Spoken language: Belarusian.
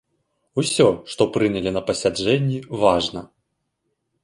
Усё, што прынялі на пасяджэнні, важна.